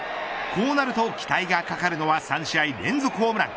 こうなると期待がかかるのは３試合連続ホームラン。